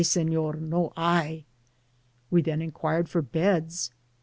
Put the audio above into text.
Seiior ; no hay V* We then inquired for beds.